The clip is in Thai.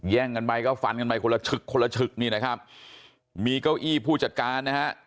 กันไปก็ฟันกันไปคนละฉึกคนละฉึกนี่นะครับมีเก้าอี้ผู้จัดการนะฮะ